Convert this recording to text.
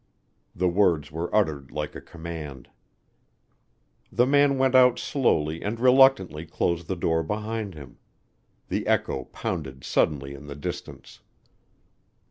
The words were uttered like a command. The man went out slowly and reluctantly closed the door behind him. The echo pounded suddenly in the distance.